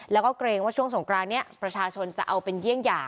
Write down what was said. แล้วก็เกรงว่าช่วงสงกรานนี้ประชาชนจะเอาเป็นเยี่ยงอย่าง